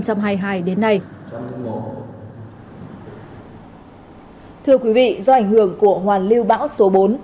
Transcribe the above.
thưa quý vị do ảnh hưởng của hoàn lưu bão số bốn